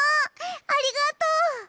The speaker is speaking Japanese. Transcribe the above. ありがとう。